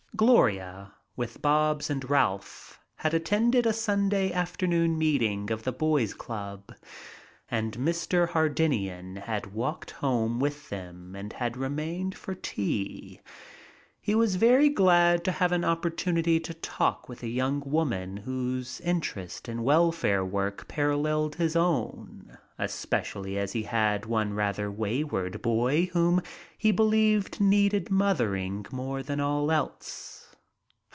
Gloria, with Bobs and Ralph, had attended a Sunday afternoon meeting of the Boy's Club and Mr. Hardinian had walked home with them and had remained for tea. He was very glad to have an opportunity to talk with a young woman whose interest in welfare work paralleled his own, especially as he had one rather wayward boy whom he believed needed mothering more than all else.